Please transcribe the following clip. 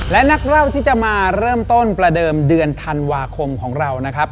และนักเล่าที่จะมาเริ่มต้นประเดิมเดือนธันวาคมของเรานะครับ